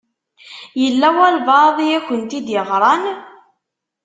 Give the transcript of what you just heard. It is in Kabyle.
Yella walebɛaḍ i akent-id-iɣṛan?